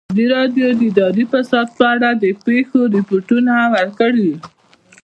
ازادي راډیو د اداري فساد په اړه د پېښو رپوټونه ورکړي.